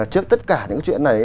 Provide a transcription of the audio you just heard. trước tất cả những chuyện này